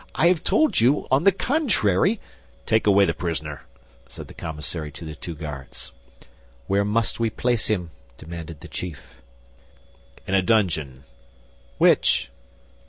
"I told you, on the contrary—" "Take away the prisoner," said the commissary to the two guards. "Where must we place him?" demanded the chief. "In a dungeon." "Which?"